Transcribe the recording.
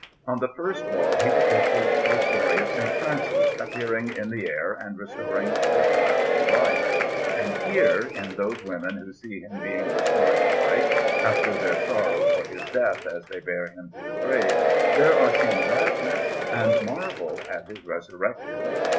On the first wall he depicted the story of S. Francis appearing in the air and restoring the child to life; and here, in those women who see him being restored to life after their sorrow for his death as they bear him to the grave there are seen gladness and marvel at his resurrection.